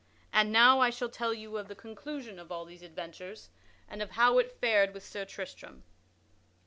And now I shall tell you the conclusion of all these adventures, and of how it fared with Sir Tristram.